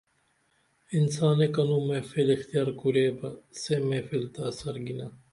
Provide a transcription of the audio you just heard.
انسانے کنو محفل اختیار کُریبہ سے محفل تہ اثر گینا